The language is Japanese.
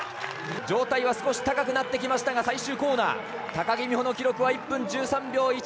上体は少し高くなってきましたが最終コーナー、高木美帆の記録は１分１３秒１９。